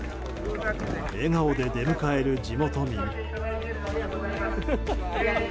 笑顔で出迎える地元民。